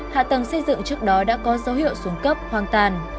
hạ tầng xây dựng trước đó đã có dấu hiệu xuống cấp hoang tàn